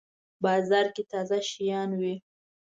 بازار کی تازه شیان وی